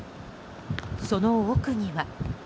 その奥には。